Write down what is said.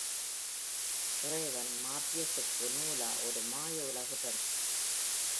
இறைவன் மார்பியஸ்க்கு நூலா ஒரு மாய உலகு பரிசு.